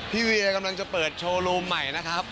เวียกำลังจะเปิดโชว์รูมใหม่นะครับ